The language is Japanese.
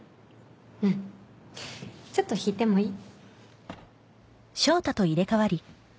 うんちょっと弾いてもいい？